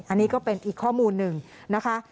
อันนี้ก็เป็นอีกข้อมูลหนึ่งนะคะ